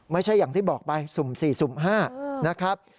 อย่างที่บอกไปสุ่ม๔สุ่ม๕นะครับ